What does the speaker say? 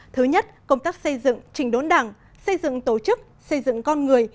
thứ nhất công tác xây dựng trình đốn đảng xây dựng tổ chức xây dựng con người